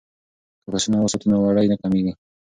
که پسونه وساتو نو وړۍ نه کمیږي.